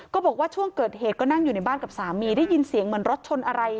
บอกว่าช่วงเกิดเหตุก็นั่งอยู่ในบ้านกับสามีได้ยินเสียงเหมือนรถชนอะไร